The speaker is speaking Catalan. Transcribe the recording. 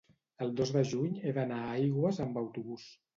El dos de juny he d'anar a Aigües amb autobús.